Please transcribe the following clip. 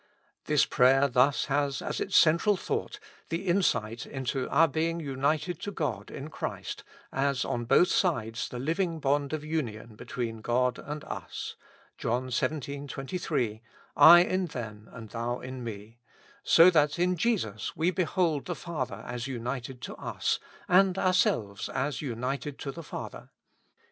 This prayer thus has as its central thought the insight into our being united to God in Christ as on both sides the living bond of union between God and us (John xvii. 23: * I in them and Thou in me '), so that in Jesus we behold the Father as united to us, and ourselves as 216 With Christ in the School of Prayer. united to the Father.